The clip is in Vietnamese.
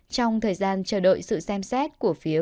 trong thời gian chờ đợi sự xem xét của phiếu